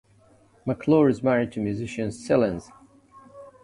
McClure is married to musician Cylenz.